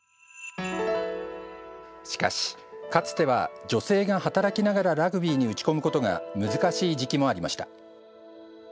しかし、かつては女性が働きながらラグビーに打ち込むことが難しい時期もありました。